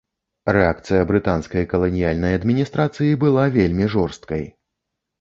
Рэакцыя брытанскай каланіяльнай адміністрацыі была вельмі жорсткай.